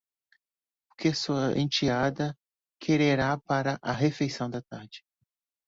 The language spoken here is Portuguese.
O que sua enteada quererá para a refeição da tarde?